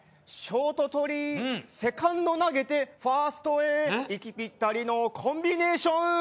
「ショートとりセカンド投げてファーストへ息ぴったりのコンビネーション」。